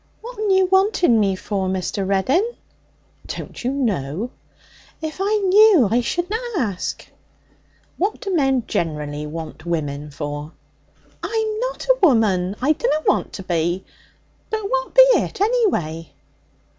'What'n you wanting me for, Mr. Reddin?' 'Don't you know?' 'If I knew, I shouldna ask.' 'What do men generally want women for?' 'I'm not a woman. I dunna want to be. But what be it, anyway?'